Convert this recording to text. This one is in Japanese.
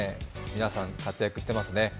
皆さん活躍していますね。